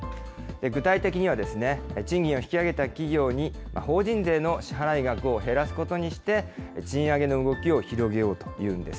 具体的には賃金を引き上げた企業に法人税の支払い額を減らすことにして、賃上げの動きを広げようというんです。